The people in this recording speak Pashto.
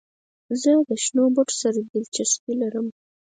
زه له شنو بوټو سره دلچسپي لرم.